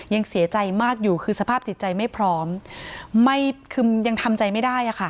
ยังเสียใจมากอยู่คือสภาพจิตใจไม่พร้อมไม่คือยังทำใจไม่ได้อะค่ะ